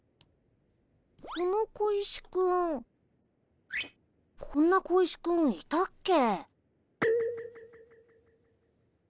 この小石くんこんな小石くんいたっけ？